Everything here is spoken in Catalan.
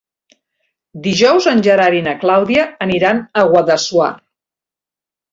Dijous en Gerard i na Clàudia aniran a Guadassuar.